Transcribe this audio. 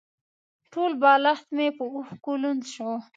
ټول بالښت مې په اوښکو لوند شو.